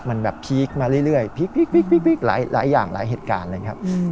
มันแบบพีคมาเรื่อยเรื่อยพีคพีคพีคพีคหลายหลายอย่างหลายเหตุการณ์เลยครับอืม